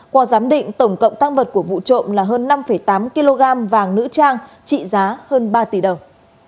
qua giám định tổng cộng tăng vật của vụ trộm là hơn năm tám kg vàng nữ trang trị giá hơn ba tỷ đồng